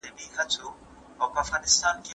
د ټولنپوهنې دنده د وضعیت ښه کول دي.